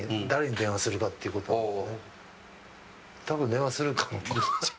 電話するかも。